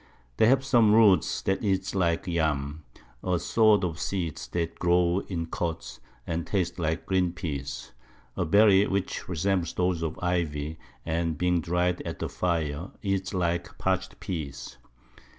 They have some Roots that eat like Yams, a sort of Seeds that grow in Cods, and taste like green Pease, a Berry which resembles those of Ivy, and being dry'd at the Fire, eats like parch'd Pease.